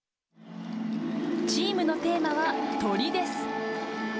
チームのテーマは鶏です。